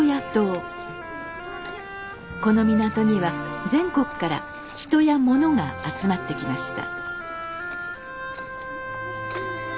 この港には全国から人やものが集まってきました。